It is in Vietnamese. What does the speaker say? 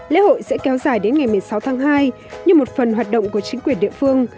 lễ hội sẽ kéo dài đến ngày một mươi sáu tháng hai như một phần hoạt động của chính quyền địa phương